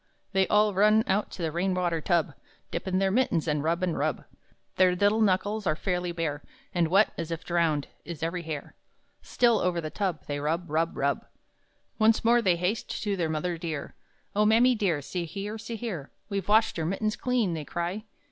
Then all run out to the rain water tub, Dip in their mittens, and rub, and rub; Their little knuckles are fairly bare, And wet, as if drowned, is every hair Still, over the tub, They rub, rub, rub! Once more they haste to their mother dear; "Oh mammy dear, see here, see here, We've washed our mittens clean!" they cry.